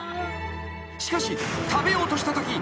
［しかし食べようとしたとき］